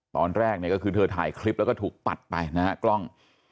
ตอนแรกเนี่ยคือเธอไทยคลิปแล้วก็ถูกปัดไปนะครับ